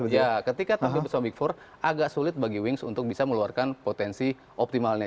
ya ketika tampil bersama big empat agak sulit bagi wings untuk bisa meluarkan potensi optimalnya